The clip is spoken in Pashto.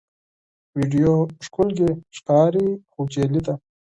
ویډیو ښکلي ښکاري خو جعلي ده.